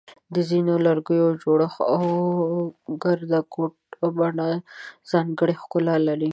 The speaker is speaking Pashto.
د ځینو لرګیو جوړښت او ګرده ګوټه بڼه ځانګړی ښکلا لري.